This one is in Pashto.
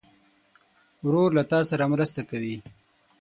ورور له تا سره مرسته کوي.